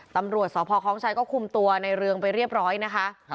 ตำรวจสพคล้องชัยก็คุมตัวในเรืองไปเรียบร้อยนะคะ